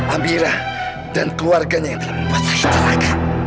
amirah dan keluarganya yang telah membuat saya celaka